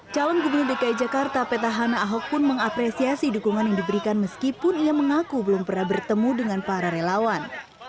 calon gubernur dki jakarta petahana ahok pun mengapresiasi dukungan yang diberikan meskipun ia mengaku belum pernah bertemu dengan para relawan